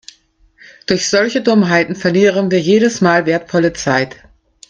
Durch solche Dummheiten verlieren wir jedes Mal wertvolle Zeit.